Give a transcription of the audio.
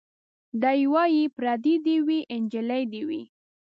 دی وايي پرېدۍ دي وي نجلۍ دي وي